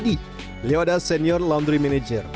dia adalah senior laundry manager